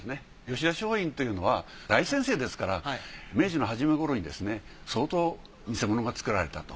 吉田松陰というのは大先生ですから明治の初め頃に相当偽物が作られたと。